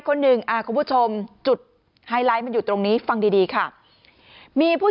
คนหนึ่งคุณผู้ชมจุดไฮไลท์มันอยู่ตรงนี้ฟังดีดีค่ะมีผู้